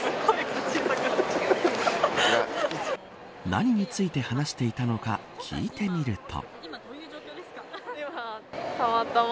何について話していたのか聞いてみると。